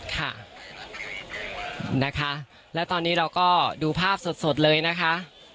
ค่ะนะคะแล้วตอนนี้เราก็ดูภาพสดเลยนะคะ